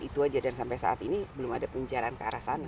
itu aja dan sampai saat ini belum ada pembicaraan ke arah sana